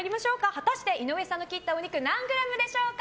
果たして井上さんが切ったお肉は何グラムでしょうか。